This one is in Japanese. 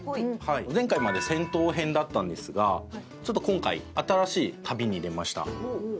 前回まで銭湯編だったんですがちょっと今回新しい旅に出ました。